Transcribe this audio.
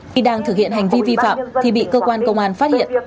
khi đang thực hiện hành vi vi phạm thì bị cơ quan công an phát hiện